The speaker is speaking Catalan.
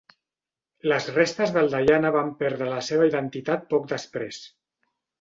Les restes del Diana van perdre la seva identitat poc després.